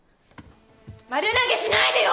丸投げしないでよ！